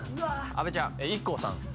阿部ちゃんＩＫＫＯさん